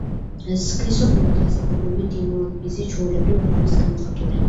სქესობრივი და ასაკობრივი დიმორფიზმი ჩვეულებრივ არ არის გამოხატული.